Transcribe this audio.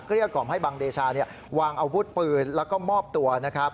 เกรคกรมให้บังเดชาวางอาวุธปืนแล้วก็มอบตัว